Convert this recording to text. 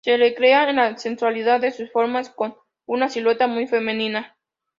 Se recrea en la sensualidad de sus formas, con una silueta muy femenina.